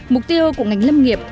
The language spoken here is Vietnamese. mục tiêu của ngành lâm nghiệp